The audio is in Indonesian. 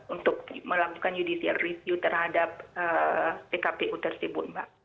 untuk melakukan judisiarisiu terhadap pkpu tersebut